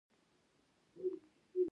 هوسا زړه مي وو را وړﺉ دې دیار ته